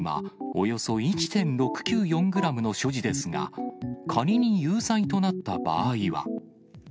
およそ１．６９４グラムの所持ですが、仮に有罪となった場合は。